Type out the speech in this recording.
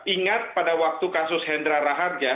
ingat pada waktu kasus hendra raharja